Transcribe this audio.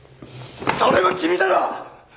それは君だろ！